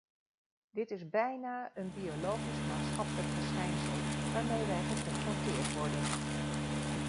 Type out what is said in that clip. Dit is bijna een biologisch maatschappelijk verschijnsel waarmee wij geconfronteerd worden.